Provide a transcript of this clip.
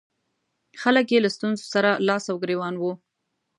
خلک یې له ستونزو سره لاس او ګرېوان وو.